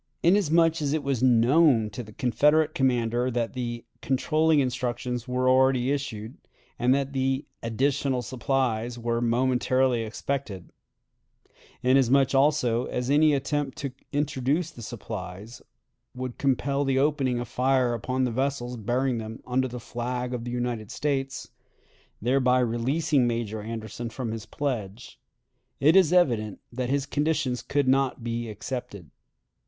Inasmuch as it was known to the Confederate commander that the "controlling instructions" were already issued, and that the "additional supplies" were momentarily expected; inasmuch, also, as any attempt to introduce the supplies would compel the opening of fire upon the vessels bearing them under the flag of the United States thereby releasing Major Anderson from his pledge it is evident that his conditions could not be accepted.